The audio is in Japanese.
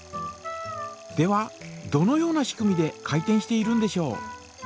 ではどのような仕組みで回転しているんでしょう。